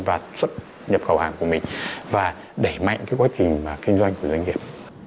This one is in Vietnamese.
và xuất nhập khẩu hàng của mình và đẩy mạnh cái quá trình kinh doanh của doanh nghiệp